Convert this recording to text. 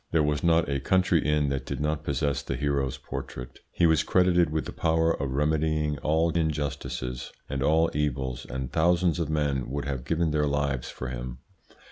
There was not a country inn that did not possess the hero's portrait. He was credited with the power of remedying all injustices and all evils, and thousands of men would have given their lives for him.